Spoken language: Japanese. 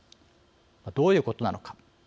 どういうことなのか。